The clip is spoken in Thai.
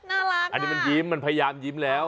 น่ารักน่ะอันนี้มันยิ้มมันพยายามยิ้มแล้ว